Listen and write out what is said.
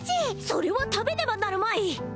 それは食べねばなるまい！